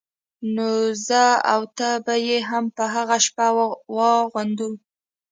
نو زه او ته به يې هم په هغه شپه واغوندو.